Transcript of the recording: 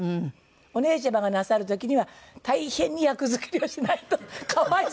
お姉ちゃまがなさる時には大変に役作りをしないと可哀想だと見えません。